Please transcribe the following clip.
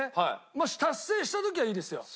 もし達成した時はいいですよ。